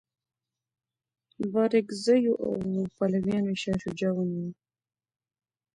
بارکزیو او پلویانو یې شاه شجاع ونیوه.